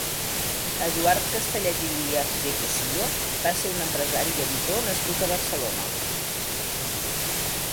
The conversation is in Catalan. Eduard Castellet i Díaz de Cossío va ser un empresari i editor nascut a Barcelona.